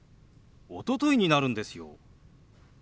「おととい」になるんですよ。